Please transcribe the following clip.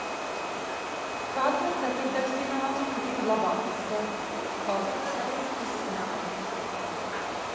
Katra ceturdaļfināla divi labākie sportisti kvalificējās pusfinālam.